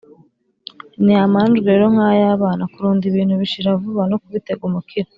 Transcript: Ni amanjwe rero nkayabana kurunda ibintu bishira vuba no kubitega umukiro